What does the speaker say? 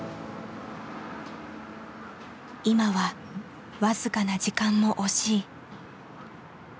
今は僅かな時間も惜しい。